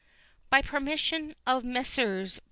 (By permission of MESSRS.